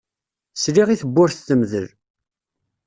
Sliɣ i tewwurt temdel.